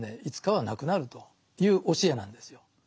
いつかはなくなるという教えなんですよ。